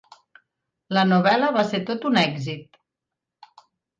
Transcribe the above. La novel·la va ser tot un èxit.